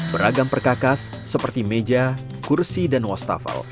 beragam perkakas seperti meja kursi dan wastafel